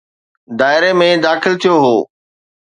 دائري ۾ داخل ٿيو هو.